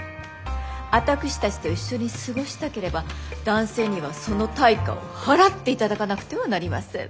私たちと一緒に過ごしたければ男性にはその対価を払っていただかなくてはなりません！